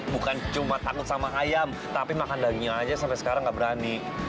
bukan cuma takut sama ayam tapi makan dagingnya aja sampe sekarang gak berani